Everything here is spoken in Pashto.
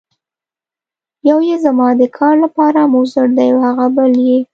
یو یې زما د کار لپاره مضر دی او هغه بل یې.